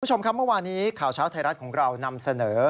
คุณผู้ชมครับเมื่อวานี้ข่าวเช้าไทยรัฐของเรานำเสนอ